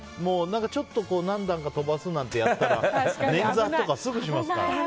ちょっと何段か飛ばすなんてやったらねん挫とかすぐしますから。